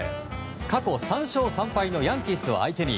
過去３勝３敗のヤンキースを相手に